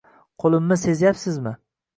Qo‘limni sezyapsizmi?